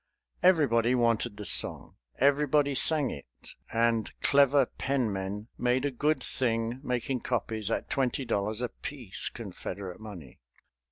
Everybody wanted the song, everybody sang it; and clever penmen made a good thing making copies at twenty dollars apiece, Confederate money.